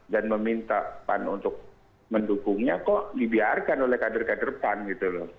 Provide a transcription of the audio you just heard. dan meminta pan untuk mendukungnya kok dibiarkan oleh kader kader pan gitu lho